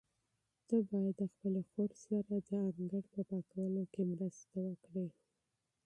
ته باید د خپلې خور سره د انګړ په پاکولو کې مرسته وکړې.